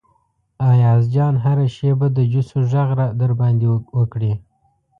ایاز جان هره شیبه د جوسو غږ در باندې وکړي.